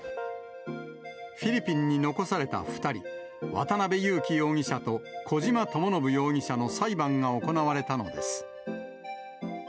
フィリピンに残された２人、渡辺優樹容疑者と小島智信容疑者の裁判が行われたのです。